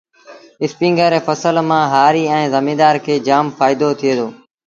اسپيٚنگر ري ڦسل مآݩ هآريٚ ائيٚݩ زميݩدآر کي جآم ڦآئيٚدو ٿُئي دو۔